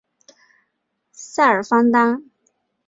塞尔方丹。